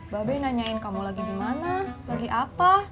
babe nanyain kamu lagi di mana lagi apa